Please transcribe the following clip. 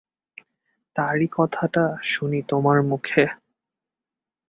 তারই কথাটা শুনি তোমার মুখে।